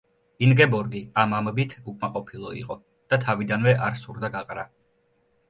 ინგებორგი ამ ამბით უკმაყოფილო იყო და თავიდანვე არ სურდა გაყრა.